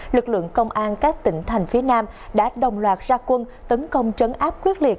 lực lượng công an các tỉnh thành phía nam đã đồng loạt ra quân tấn công trấn áp quyết liệt